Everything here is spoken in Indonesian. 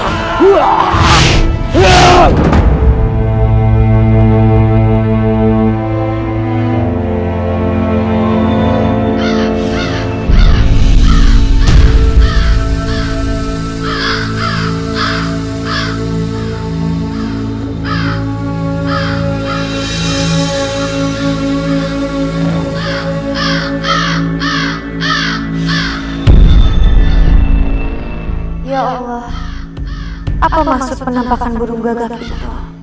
apa maksud penampakan burung gagak itu